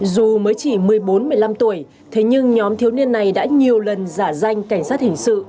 dù mới chỉ một mươi bốn một mươi năm tuổi thế nhưng nhóm thiếu niên này đã nhiều lần giả danh cảnh sát hình sự